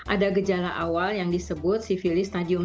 ada gejala awal yang disebut sivilis stadium satu